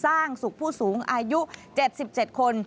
สร้างศุกร์ผู้สูงอายุ๗๗คน